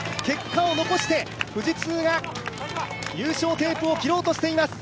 結果を残して富士通が優勝テープを切ろうとしています。